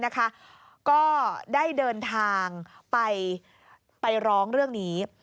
ก็ได้เดินทางไปร้องเรื่องนี้